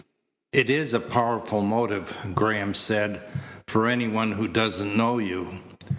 "It is a powerful motive," Graham said, "for any one who doesn't know you."